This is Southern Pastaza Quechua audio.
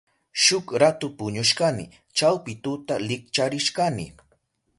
Shuk ratu puñushkani. Chawpi tuta likcharishkani.